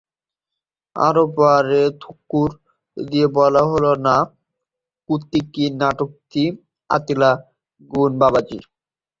আরও পরে থুক্কু দিয়ে বলা হলো, নাহ্, কুকীর্তির নায়কটি আতিলা হুন বাবাজি।